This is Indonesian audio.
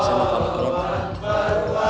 la ilaha illallah allah akbar allah